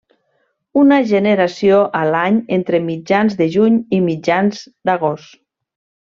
Una generació a l'any entre mitjans de juny i mitjans d'agost.